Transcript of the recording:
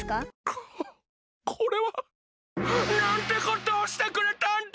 ここれは。なんてことをしてくれたんだ！